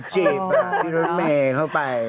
จีบพี่รถเมย์เข้าไป